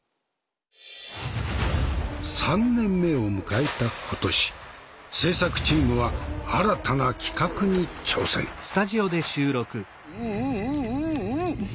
３年目を迎えた今年制作チームは「また悪事の相談か。